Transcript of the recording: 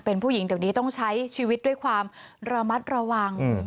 เป็นผู้หญิงเดี๋ยวนี้ต้องใช้ชีวิตด้วยความระมัดระวัง